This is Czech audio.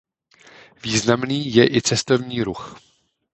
Významný je i cestovní ruch.